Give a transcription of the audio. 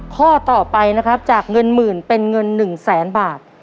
ข้อต่อไปนะครับจากเงินหมื่นเป็นเงิน๑แสนบาท